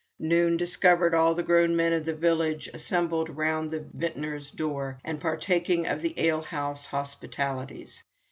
Noon discovered all the grown men of the village assembled round the vintner's door and partaking of the ale house hospitalities.